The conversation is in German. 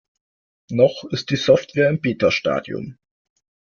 Noch ist die Software im Beta-Stadium.